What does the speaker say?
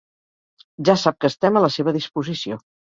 Ja sap que estem a la seva disposició.